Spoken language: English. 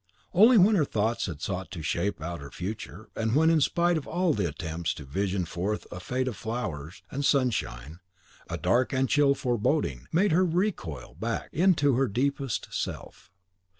Only when her thoughts had sought to shape out her future, and when, in spite of all the attempts to vision forth a fate of flowers and sunshine, a dark and chill foreboding made her recoil back into her deepest self.